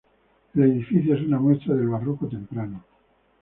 El edificio es una muestra del barroco temprano.